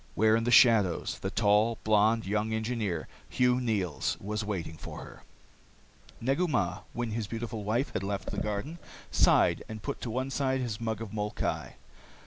Where in the shadows the tall, blonde young engineer, Hugh Neils, was waiting for her.... Negu Mah, when his beautiful wife had left the garden, sighed and put to one side his mug of molkai.